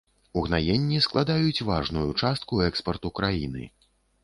Угнаенні складаюць важную частку экспарту краіны.